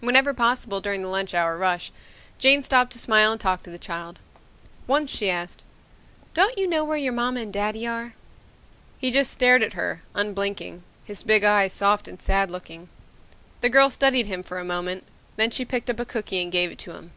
Whenever possible during the lunch hour rush, Jane stopped to smile and talk to the child. Once she asked, "Don't you know where your mama and daddy are?" He just stared at her, unblinking, his big eyes soft and sad looking. The girl studied him for a moment, then she picked up a cookie and gave it to him.